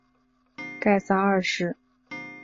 盖萨二世。